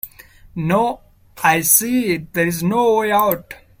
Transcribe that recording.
No, I see there's no way out.